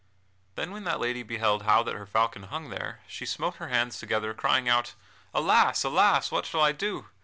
Then when that lady beheld how that her falcon hung there she smote her hands together, crying out: "Alas, alas! what shall I do?